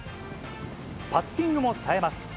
パッティングもさえます。